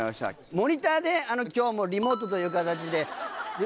モニターで今日もリモートという形で。